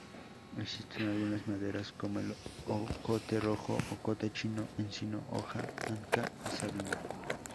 Existen algunas maderas como el ocote rojo, ocote chino, encino, hoja anca y sabino.